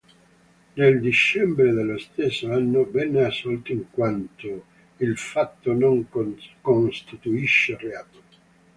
Nel dicembre dello stesso anno venne assolto, in quanto il fatto non costituisce reato.